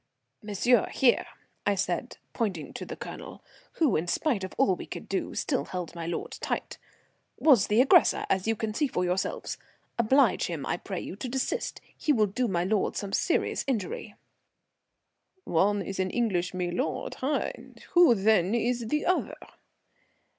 "Monsieur here," I said, pointing to the Colonel, who, in spite of all we could do, still held my lord tight, "was the aggressor, as you can see for yourselves. Oblige him, I pray you, to desist. He will do my lord some serious injury." "Is one an English milord, hein? Who, then, is the other?"